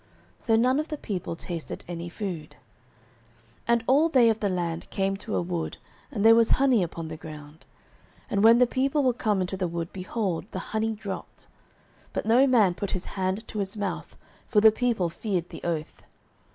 So none of the people tasted any food. 09:014:025 And all they of the land came to a wood; and there was honey upon the ground. 09:014:026 And when the people were come into the wood, behold, the honey dropped; but no man put his hand to his mouth: for the people feared the oath.